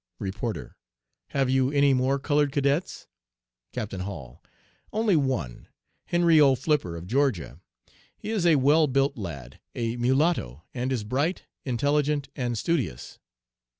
"REPORTER 'Have you any more colored cadets?' "CAPTAIN HALL 'Only one Henry O. Flipper, of Georgia. He is a well built lad, a mulatto, and is bright, intelligent, and studious.'